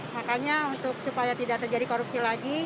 makanya untuk supaya tidak terjadi korupsi lagi